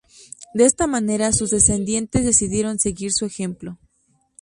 De esta manera, sus descendientes decidieron seguir su ejemplo.